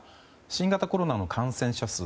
新型コロナの感染者数